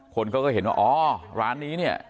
คนเขาก็เห็นว่าอ๋อร้านนี้เนี่ย